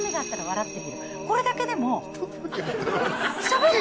これだけでも。